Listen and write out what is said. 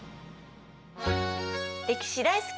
歴史大好き！